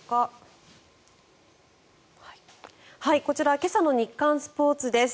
こちら今朝の日刊スポーツです。